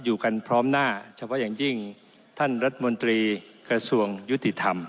อยู่กันพร้อมหน้าเฉพาะอย่างยิ่งท่านรัฐมนตรีกระทรวงยุติธรรม